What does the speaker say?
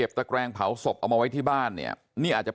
เออตั้งสารให้เขา